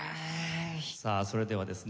さあそれではですね